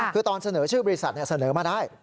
คือตอนเสนอชื่อบริษัทเสนอมาได้